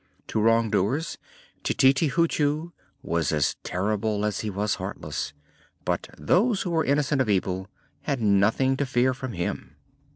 To wrong doers Tititi Hoochoo was as terrible as he was heartless, but those who were innocent of evil had nothing to fear from him.